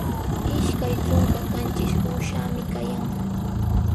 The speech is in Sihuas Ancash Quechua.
Ishkay trunka qanchis uushami kayan.